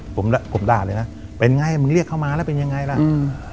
ผมผมด่าเลยนะเป็นไงมึงเรียกเข้ามาแล้วเป็นยังไงล่ะอืม